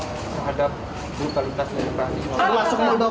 terhadap brutalitas yang terjadi